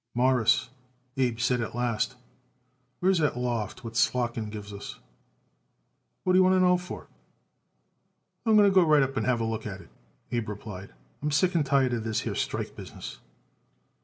"Mawruss," Abe said at last, "where is that loft what Slotkin gives us?" "What do you want to know for?" "I'm going right up to have a look at it," Abe replied. "I'm sick and tired of this here strike business."